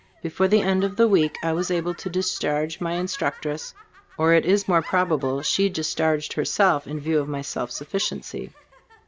Before the end of the week I was able to dis charge my instructress, or it is more probable she discharged herself in view of my self sufficiency.